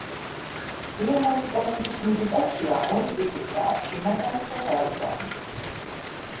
ღია მონიტორინგის მედიტაცია ორი ტიპისაა: შინაგანი და გარეგანი.